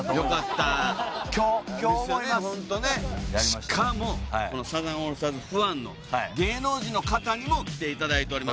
しかもこのサザンオールスターズファンの芸能人の方にも来ていただいております。